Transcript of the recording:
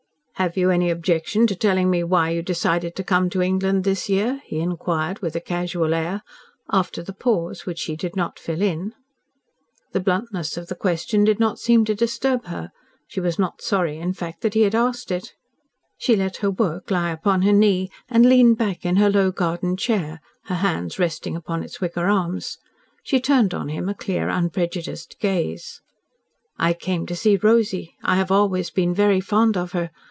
"Have you any objection to telling me why you decided to come to England this year?" he inquired, with a casual air, after the pause which she did not fill in. The bluntness of the question did not seem to disturb her. She was not sorry, in fact, that he had asked it. She let her work lie upon her knee, and leaned back in her low garden chair, her hands resting upon its wicker arms. She turned on him a clear unprejudiced gaze. "I came to see Rosy. I have always been very fond of her.